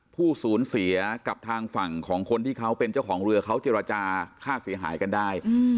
ผู้สูญเสียกับทางฝั่งของคนที่เขาเป็นเจ้าของเรือเขาเจรจาค่าเสียหายกันได้